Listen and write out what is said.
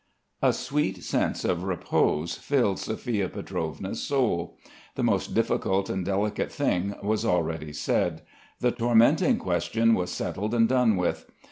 A sweet sense of repose filled Sophia Pietrovna's soul. The most difficult and delicate thing was already said. The tormenting question was settled and done with.